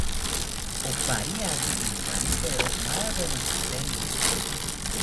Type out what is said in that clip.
Opariaki inkanipero maaweni tziteniri